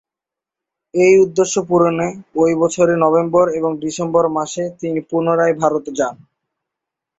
এই উদ্দেশ্য পূরণে, ঐ বছরের নভেম্বর এবং ডিসেম্বর মাসে তিনি পুনরায় ভারত যান।